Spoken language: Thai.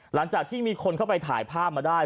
หลังจากที่มีคนเข้าไปถ่ายภาพมาได้